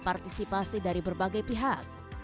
partisipasi dari berbagai pihak